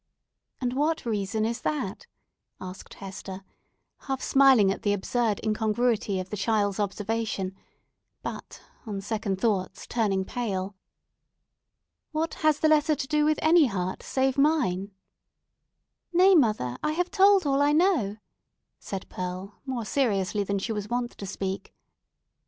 "And what reason is that?" asked Hester, half smiling at the absurd incongruity of the child's observation; but on second thoughts turning pale. "What has the letter to do with any heart save mine?" "Nay, mother, I have told all I know," said Pearl, more seriously than she was wont to speak.